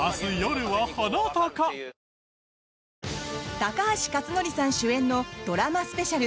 高橋克典さん主演のドラマスペシャル